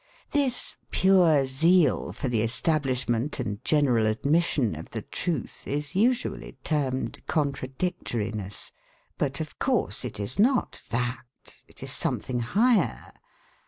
This pure zeal for the establishment and general admission of the truth is usually termed 'contradictoriness.' But, of course, it is not that; it is something higher.